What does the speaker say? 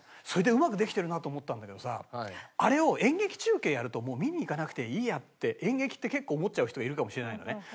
それでうまくできてるなと思ったんだけどさあれを演劇中継やるともう見に行かなくていいやって演劇って結構思っちゃう人がいるかもしれないのね。